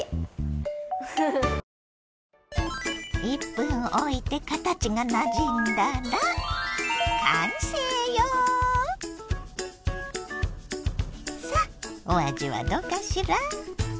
１分おいて形がなじんだらさあおあじはどうかしら？